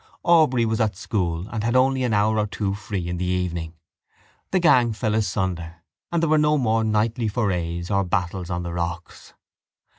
Aubrey was at school and had only an hour or two free in the evening. The gang fell asunder and there were no more nightly forays or battles on the rocks.